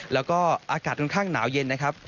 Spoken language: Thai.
แล้วก็อากาศค่อนข้างหนาวเย็นนะครับ